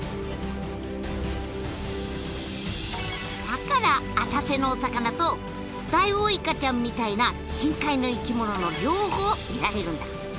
だから浅瀬のお魚とダイオウイカちゃんみたいな深海の生き物の両方見られるんだ。